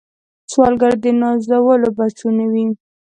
سوالګر د نازولو بچي نه وي